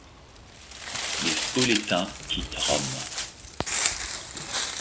Les Spolétains quittent Rome.